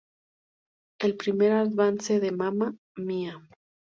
El primer avance de "Mamma Mia!